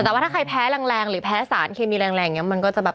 แต่ว่าถ้าใครแพ้แรงหรือแพ้สารเคมีแรงอย่างนี้มันก็จะแบบ